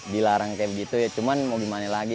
dilarang kayak begitu ya cuman mau gimana lagi